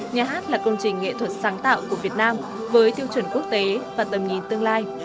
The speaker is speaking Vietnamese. nhà hát là công trình nghệ thuật sáng tạo của việt nam với tiêu chuẩn quốc tế và tầm nhìn tương lai